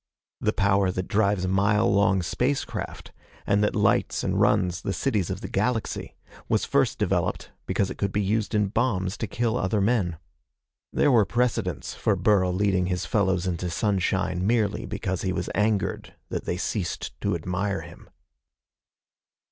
The power that drives mile long space craft, and that lights and runs the cities of the galaxy, was first developed because it could be used in bombs to kill other men. There were precedents for Burl leading his fellows into sunshine merely because he was angered that they ceased to admire him.